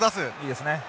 いいですね。